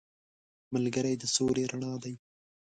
ملګری د سولې رڼا دی